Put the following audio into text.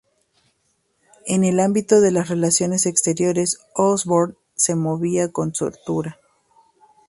En el ámbito de las relaciones exteriores Osborne se movía con soltura.